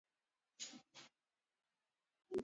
غول د سودي خوړو مخالف دی.